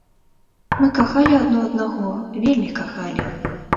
Мы кахалі адно аднаго, вельмі кахалі.